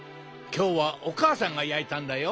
きょうはおかあさんがやいたんだよ。